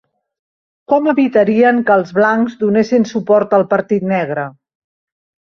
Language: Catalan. Com evitarien que els blancs donessin suport al "partit negre"?